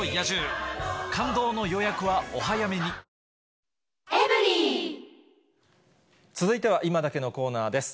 超濃い続いてはいまダケッのコーナーです。